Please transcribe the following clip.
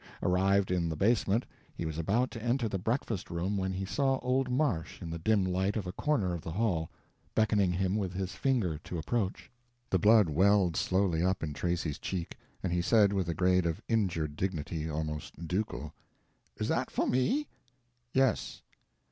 Arrived in the basement, he was about to enter the breakfast room when he saw old Marsh in the dim light of a corner of the hall, beckoning him with his finger to approach. The blood welled slowly up in Tracy's cheek, and he said with a grade of injured dignity almost ducal: "Is that for me?" "Yes."